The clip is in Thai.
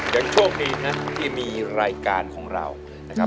ยังโชคดีนะที่มีรายการของเรานะครับ